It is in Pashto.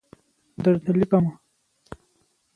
درته لیکمه